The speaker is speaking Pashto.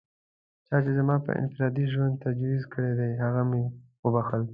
چا چې زما پر انفرادي ژوند تجاوز کړی دی، هغه مې و بښل.